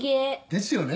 「ですよね